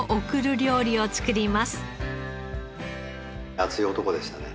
熱い男でしたね。